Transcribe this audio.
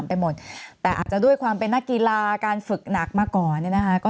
ไปหมดแต่อาจจะด้วยความเป็นนักกีฬาการฝึกหนักมาก่อนเนี่ยนะคะก็